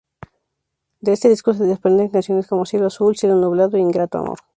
De este disco se desprenden canciones como: Cielo azul, cielo nublado e Ingrato amor.